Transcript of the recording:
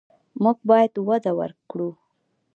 موږ باید وده ورکړو.